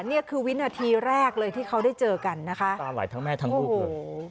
นี่คือวินาทีแรกเลยที่เขาได้เจอกันนะคะตาไหลทั้งแม่ทั้งลูกเลย